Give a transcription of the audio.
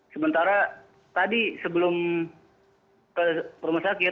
sementara tadi sebelum ke rumah sakit